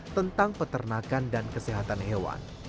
tentang peternakan dan kesehatan hewan